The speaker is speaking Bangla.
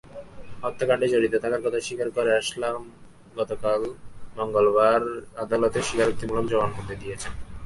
হত্যাকাণ্ডে জড়িত থাকার কথা স্বীকার করে আসলাম গতকাল মঙ্গলবার আদালতে স্বীকারোক্তিমূলক জবানবন্দি দিয়েছেন।